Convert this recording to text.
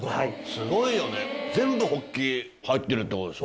すごいよね全部ホッキ入ってるってことでしょ？